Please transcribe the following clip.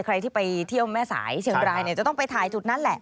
ใครที่ไปเที่ยวแม่สายเชียงรายเนี่ยจะต้องไปถ่ายจุดนั้นแหละ